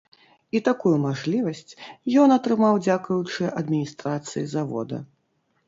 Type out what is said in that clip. І такую мажлівасць ён атрымаў, дзякуючы адміністрацыі завода.